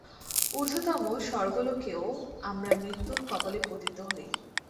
ঊর্ধ্বতম স্বর্গলোকেও আমরা মৃত্যুর কবলে পতিত হই।